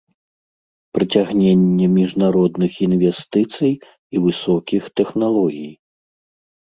Прыцягненне міжнародных інвестыцый і высокіх тэхналогій.